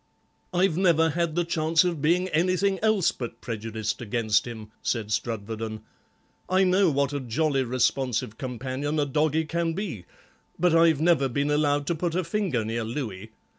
"I've never had the chance of being anything else but prejudiced against him," said Strudwarden; "I know what a jolly responsive companion a doggie can be, but I've never been allowed to put a finger near Louis.